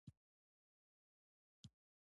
سړی ودرید.